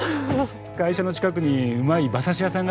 会社の近くにうまい馬刺し屋さんがあるから。